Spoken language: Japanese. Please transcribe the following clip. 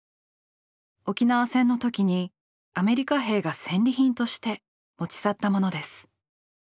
沖縄戦の時にアメリカ兵が「戦利品」として持ち去ったものです。